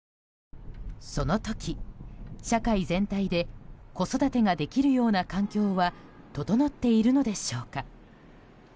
その時、社会全体で子育てができるような環境は整っているのでしょうか。